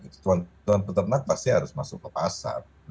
tuan tuan peternak pasti harus masuk ke pasar lebih banyak gitu kan